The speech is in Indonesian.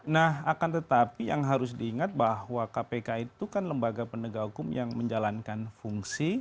nah akan tetapi yang harus diingat bahwa kpk itu kan lembaga penegak hukum yang menjalankan fungsi